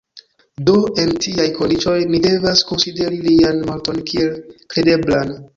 Do en tiaj kondiĉoj ni devas konsideri lian morton kiel kredeblan.